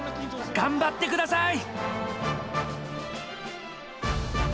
頑張って下さい！